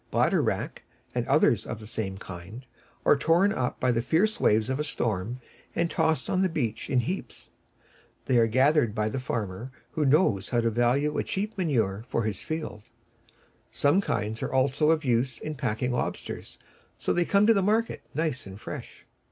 The Bladder Wrack, and others of the same kind, are torn up by the fierce waves in a storm, and tossed on the beach in heaps. They are gathered by the farmer who knows how to value a cheap manure for his fields. Some kinds are also of use in packing lobsters so that they come to market nice and fresh.